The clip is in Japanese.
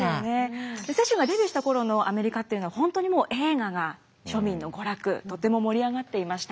雪洲がデビューした頃のアメリカというのは本当にもう映画が庶民の娯楽とても盛り上がっていました。